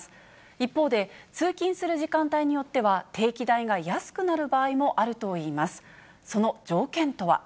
一方で、通勤する時間帯によっては、定期代が安くなる場合もあるといいます。